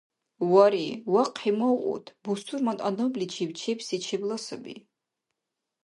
Вари, вахъхӀи мавъуд, бусурман адамличиб чебси чебла саби.